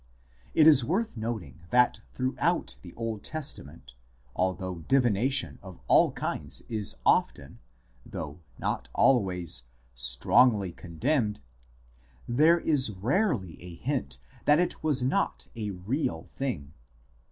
It is worth noting that throughout the Old Testament, although divina tion of all kinds is often (though not always) strongly con demned, there is rarely a hint that it was not a real thing.